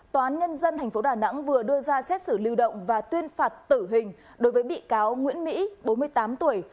tòa án nhân dân tp đà nẵng vừa đưa ra xét xử lưu động và tuyên phạt tử hình đối với bị cáo nguyễn mỹ bốn mươi tám tuổi